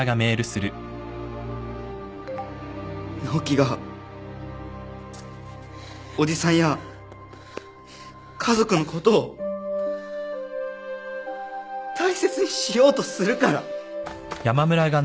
直樹がおじさんや家族のことを大切にしようとするから。